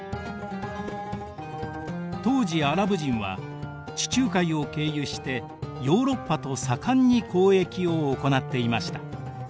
当時アラブ人は地中海を経由してヨーロッパと盛んに交易を行っていました。